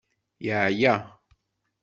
Yeɛya.